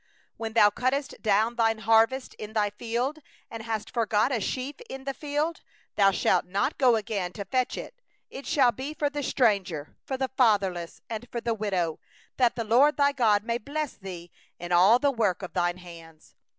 19When thou reapest thy harvest in thy field, and hast forgot a sheaf in the field, thou shalt not go back to fetch it; it shall be for the stranger, for the fatherless, and for the widow; that the LORD thy God may bless thee in all the work of thy hands.